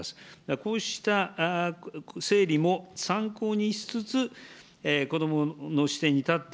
こうしたせいりも、参考にしつつ、子どもの視点に立って、